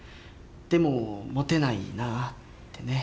でもモテないなってね。